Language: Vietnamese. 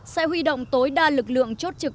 sẽ huy động tối đa lực lượng chốt trực